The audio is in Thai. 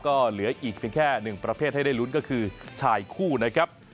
ก็เหลืออีกเพียงแค่๑ประเภทให้ได้ลุ้นก็คือชายคู่นะครับ